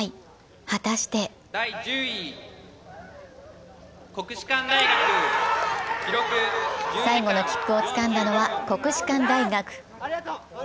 果たして最後の切符をつかんだのは国士舘大学。